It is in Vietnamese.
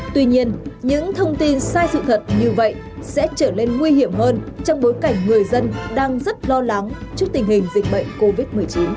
tuy nhiên những thông tin sai sự thật như vậy sẽ trở nên nguy hiểm hơn trong bối cảnh người dân đang rất lo lắng trước tình hình dịch bệnh covid một mươi chín